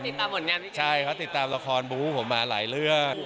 ติดตามเหมือนกันใช่เขาติดตามละครบรูพ์ผมมาหลายเรื่อง